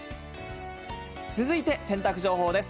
続いて、洗濯情報です。